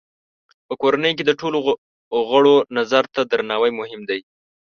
په کورنۍ کې د ټولو غړو نظر ته درناوی مهم دی.